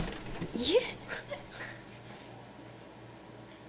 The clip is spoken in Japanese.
家？